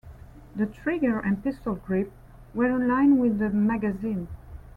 The trigger and pistol grip were in line with the magazine.